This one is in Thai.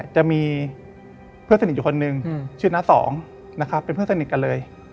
ชื่อน้า๒เป็นเพื่อนสนิทกันเลย